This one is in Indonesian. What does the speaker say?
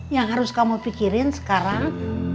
yang harus kamu pikirin sekarang